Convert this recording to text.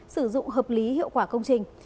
sử dụng hợp lý hiệu quả công trình